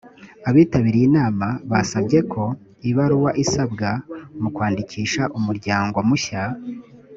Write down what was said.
abitabiriye inama basabye ko ibaruwa isabwa mu kwandikisha umuryango mushya